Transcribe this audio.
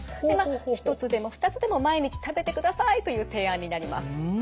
でまあ１つでも２つでも毎日食べてくださいという提案になります。